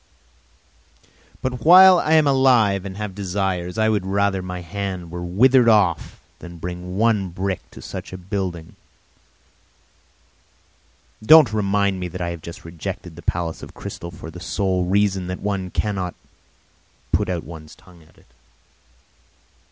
But while I am alive and have desires I would rather my hand were withered off than bring one brick to such a building! Don't remind me that I have just rejected the palace of crystal for the sole reason that one cannot put out one's tongue at it.